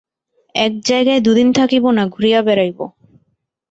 এক জায়গায় দুদিন থাকিব না–ঘুরিয়া বেড়াইব।